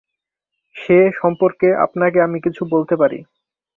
সে-সম্পর্কে আপনাকে আমি কিছু বলতে পারি।